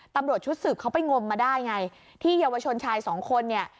ตำรวจชุดสืบเขาไปงมมาได้ไงที่เยาวชนชายสองคนเนี่ย